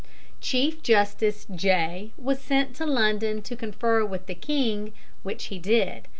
Chief Justice Jay was sent to London to confer with the king, which he did.